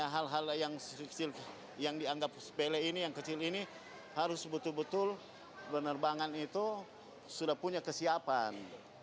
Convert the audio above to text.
hal hal yang dianggap sepele ini yang kecil ini harus betul betul penerbangan itu sudah punya kesiapan